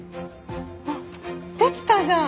あっできたじゃん！